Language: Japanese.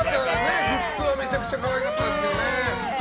グッズはめちゃくちゃ可愛かったですけどね。